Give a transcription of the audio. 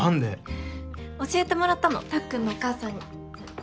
ふふっ教えてもらったのたっくんのお母さんに。